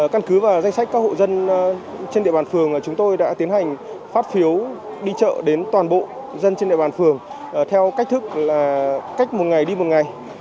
căn cứ vào danh sách các hộ dân trên địa bàn phường chúng tôi đã tiến hành phát phiếu đi chợ đến toàn bộ dân trên địa bàn phường theo cách thức là cách một ngày đi một ngày